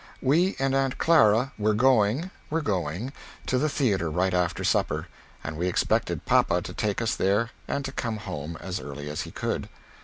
We and Aunt Clara were going were going to the theatre right after supper, and we expected papa to take us there and to come home as early as he could.